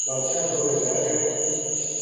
بادشاہ کوڑے جا رہیو